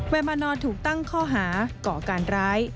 มานอนถูกตั้งข้อหาก่อการร้าย